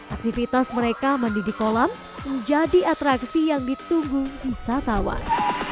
aktivitas mereka mandi di kolam menjadi atraksi yang ditunggu wisatawan